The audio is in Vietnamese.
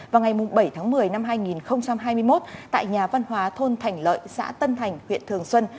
vào ngày bảy tháng một mươi năm hai nghìn hai mươi một tại nhà văn hóa thôn thành lợi xã tân thành huyện thường xuân